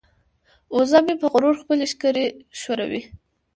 وزه مې په غرور خپلې ښکرې ښوروي.